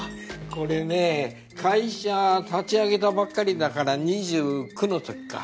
これね会社立ち上げたばっかりだから２９の時か。